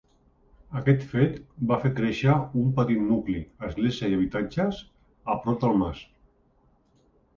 Aquest fet va fer créixer un petit nucli -església i habitatges- a prop del mas.